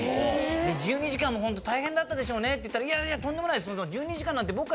１２時間も大変だったでしょうねって言ったらいやいやとんでもないです。